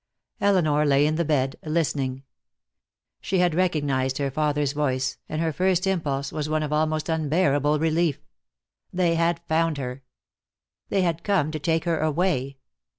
Elinor lay in the bed, listening. She had recognized her father's voice, and her first impulse was one of almost unbearable relief. They had found her. They had come to take her away.